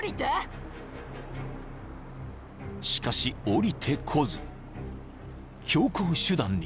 ［しかし降りてこず強硬手段に］